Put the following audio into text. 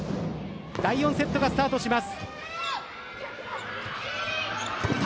第４セットがスタートします。